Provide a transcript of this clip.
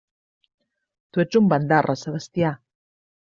Tu ets un bandarra, Sebastià!